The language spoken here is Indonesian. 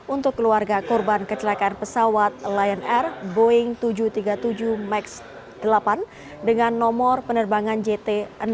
untuk keluarga korban kecelakaan pesawat lion air boeing tujuh ratus tiga puluh tujuh max delapan dengan nomor penerbangan jt enam ratus sepuluh